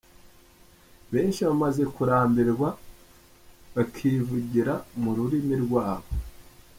Benshi bamaze kurambirwa bakivugira mu rurimi rwabo.